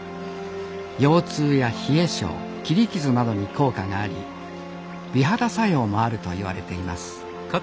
腰痛や冷え性切り傷などに効果があり美肌作用もあるといわれています